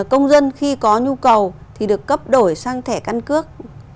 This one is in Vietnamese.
công dân khi có nhu cầu thì được cấp đổi sang thẻ căn cước